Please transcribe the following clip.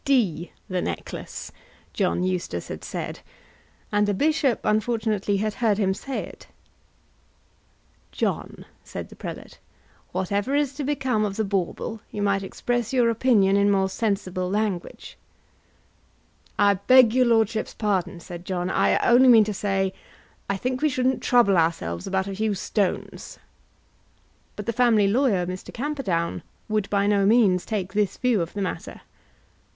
"D the necklace!" John Eustace had said, and the bishop unfortunately had heard him say it! "John," said the prelate, "whatever is to become of the bauble, you might express your opinion in more sensible language." "I beg your lordship's pardon," said John, "I only mean to say that I think we shouldn't trouble ourselves about a few stones." But the family lawyer, Mr. Camperdown, would by no means take this view of the matter.